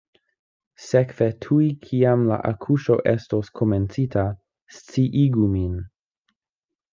Sekve tuj kiam la akuŝo estos komencita, sciigu min.